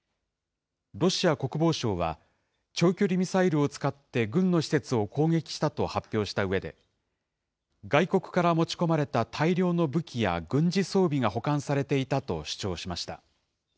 ロシア国防省は、長距離ミサイルを使って軍の施設を攻撃したと発表したうえで、外国から持ち込まれた大量の武器や軍事装備が保管されていたと主張しました。